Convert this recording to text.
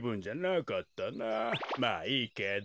まあいいけど。